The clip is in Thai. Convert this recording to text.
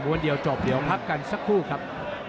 วันเดียวจบเดี๋ยวพักกันสักครู่ครับ